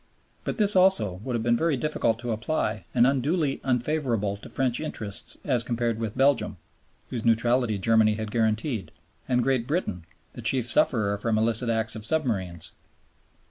But this also would have been very difficult to apply and unduly unfavorable to French interests as compared with Belgium (whose neutrality Germany had guaranteed) and Great Britain (the chief sufferer from illicit acts of submarines).